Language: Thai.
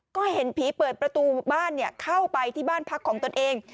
ก็เห็นผีเปิดประตูบ้านเข้าไปที่บ้านพักของตนเอง